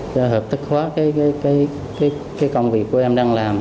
để hợp tác hóa cái công việc của em đang làm